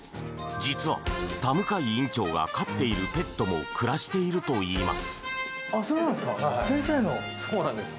実は田向院長が飼っているペットも暮らしているといいます。